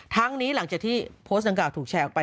ทั้งนี้หลังจากที่โพสต์นางกากถูกแชร์ออกไป